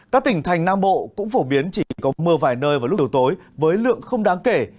các tỉnh thành nam bộ cũng phổ biến chỉ có mưa vài nơi vào lúc đầu tối với lượng không đáng kể